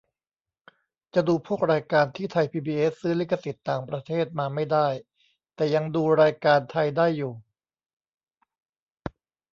จะดูพวกรายการที่ไทยพีบีเอสซื้อลิขสิทธิ์ต่างประเทศมาไม่ได้ แต่ยังดูรายการไทยได้อยู่